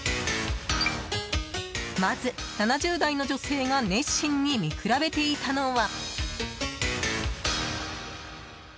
まず、７０代の女性が、熱心に見比べていたのは。